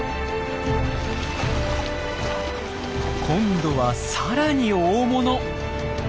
今度は更に大物！